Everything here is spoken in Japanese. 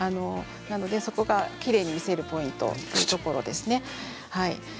なのでそこがきれいに見せるポイントですね。